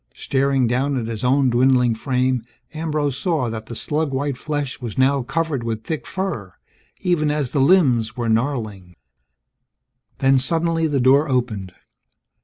Staring down at his own dwindling frame, Ambrose saw that the slug white flesh was now covered with thick fur, even as the limbs were gnarling Then, suddenly the door opened.